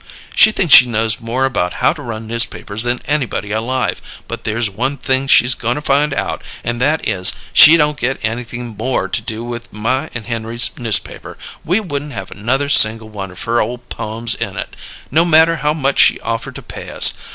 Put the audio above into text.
She thinks she knows more about how to run newspapers than anybody alive; but there's one thing she's goin' to find out; and that is, she don't get anything more to do with my and Henry's newspaper. We wouldn't have another single one of her ole poems in it, no matter how much she offered to pay us!